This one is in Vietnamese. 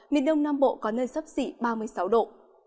miền đông nam bộ có nơi sấp xỉ ba mươi sáu độ